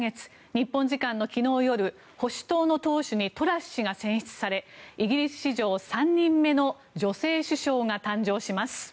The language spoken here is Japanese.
日本時間の昨日夜保守党の党首にトラス氏が選出されイギリス史上３人目の女性首相が誕生します。